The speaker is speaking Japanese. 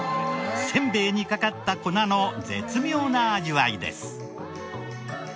せんべいにかかった粉の絶妙な味わいです。